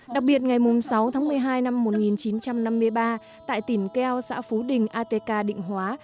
đặc biệt ngày sáu tháng một mươi hai năm một nghìn chín trăm năm mươi ba tại tỉnh keo xã phú đình atk định hóa